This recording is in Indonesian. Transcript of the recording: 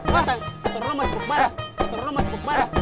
ketur rumah cukup marah